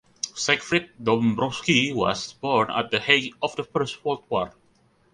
Siegfried Dombrowski was born at the height of the First World War.